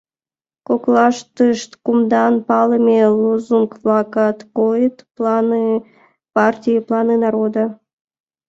Коклаштышт кумдан палыме лозунг-влакат койыт: «Планы партии — планы народа!».